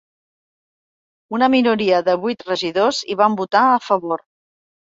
Una minoria de vuit regidors hi van votar a favor.